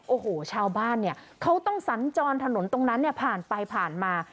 โอ้โหชาวบ้านเนี่ยเขาต้องสัญจรถนนตรงนั้นเนี่ยผ่านไปผ่านมา